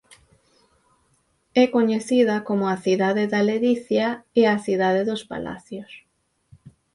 É coñecida como "a cidade da ledicia" e "a cidade dos palacios".